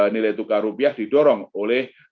nilai tukar rupiah didorong oleh